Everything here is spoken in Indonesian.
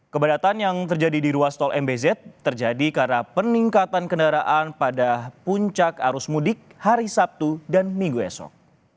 kepadatan yang terjadi di ruas tol mbz terjadi karena peningkatan kendaraan pada puncak arus mudik hari sabtu dan minggu esok